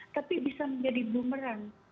tapi bisa menjadi bumerang